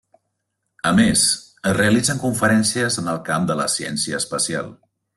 A més, es realitzen conferències en el camp de la ciència espacial.